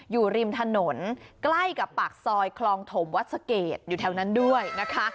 อยู่ริมถนนใกล้กับปากซอยคลองถมวัดสะเกดอยู่แถวนั้นด้วยนะคะ